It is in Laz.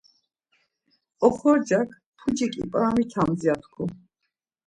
Oxorcak, pucik ip̌aramitarams ya tku.